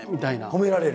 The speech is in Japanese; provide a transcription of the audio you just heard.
褒められる？